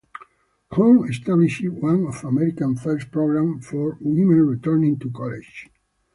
Horn established one of America's first programs for women returning to college.